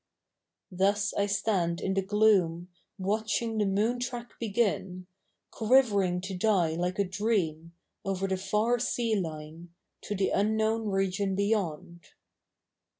Thus I stand in the gloom Watching the moon trcuk begin Quivering to die like a d) ea?n Over the far sea line To the unknoum region beyond.